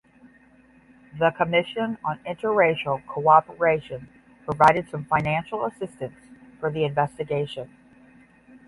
The Commission on Interracial Cooperation provided some financial assistance for the investigation.